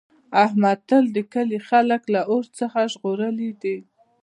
احمد تل د کلي خلک له اور څخه ژغورلي دي.